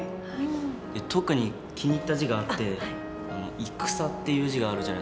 特に気に入った字があって「戦」っていう字があるじゃないですか。